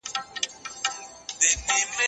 درسونه په انلاين کورس کي منظم ترسره کړه.